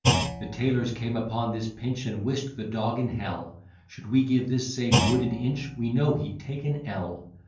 The tailors came upon this pinch, And wish'd the dog in hell, Should we give this same Wood an inch, We know he'd take an ell.